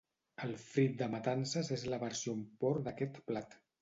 El frit de matances és la versió en porc d'aquest plat